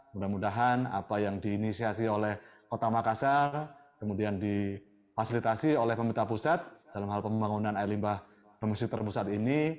mudah mudahan apa yang diinisiasi oleh kota makassar kemudian difasilitasi oleh pemerintah pusat dalam hal pembangunan air limbah pengungsi terpusat ini